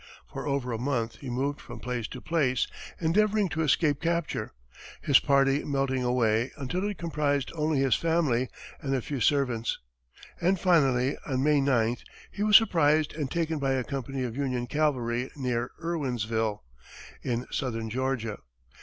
For over a month, he moved from place to place endeavoring to escape capture, his party melting away until it comprised only his family and a few servants; and finally, on May 9th, he was surprised and taken by a company of Union cavalry near Irwinsville, in southern Georgia.